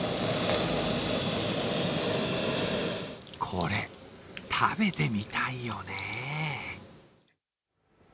これ、食べてみたいよね。